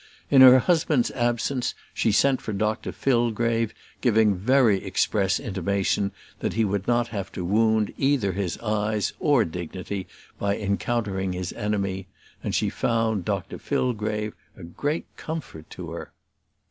In her husband's absence she sent for Dr Fillgrave, giving very express intimation that he would not have to wound either his eyes or dignity by encountering his enemy; and she found Dr Fillgrave a great comfort to her.